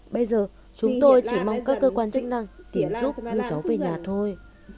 bây giờ chúng tôi chỉ mong các cơ quan chức năng tiến giúp đưa cháu về nhà thôi